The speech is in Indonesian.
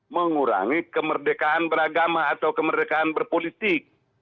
mengurangi kemerdekaan beragama atau kemerdekaan berpolitik